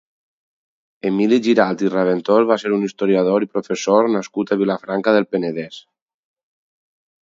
Emili Giralt i Raventós va ser un historiador i professor nascut a Vilafranca del Penedès.